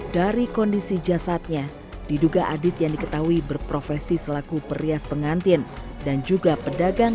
dari kondisi jasadnya diduga adit yang diketahui berprofesi selaku perias pengantin dan juga pedagang